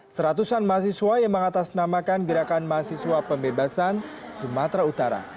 seratusan mahasiswa yang mengatasnamakan gerakan mahasiswa pembebasan sumatera utara